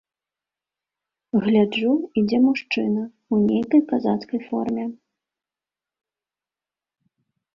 Гляджу, ідзе мужчына ў нейкай казацкай форме.